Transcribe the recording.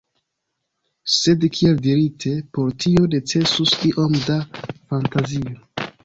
Sed kiel dirite, por tio necesus iom da fantazio.